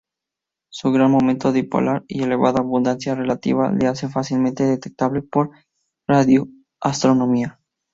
Su gran momento dipolar y elevada abundancia relativa la hacen fácilmente detectable por radioastronomía.